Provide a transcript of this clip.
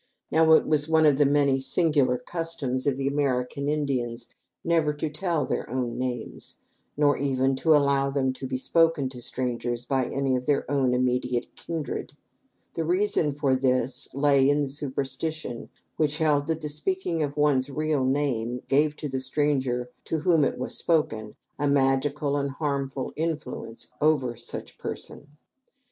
Now it was one of the many singular customs of the American Indians never to tell their own names, nor even to allow them to be spoken to strangers by any of their own immediate kindred. The reason for this lay in the superstition which held that the speaking of one's real name gave to the stranger to whom it was spoken a magical and harmful influence over such person.